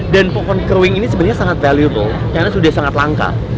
dan pohon keruing ini sebenarnya sangat berharga karena sudah sangat langka